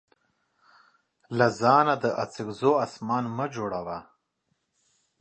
له ځانه د اڅکزو اسمان مه جوړوه.